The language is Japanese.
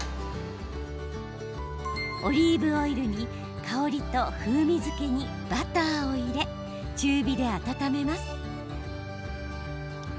オリーブオイルに香りと風味づけにバターを入れ中火で温めます。